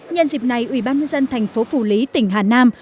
nhân dịp này ủy ban nhân dân thành phố phủ lý tỉnh hà nam